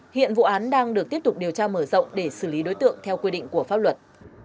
hiện vụ án đang được tiếp tục điều tra mở rộng để xử lý đối tượng theo quy định của pháp luật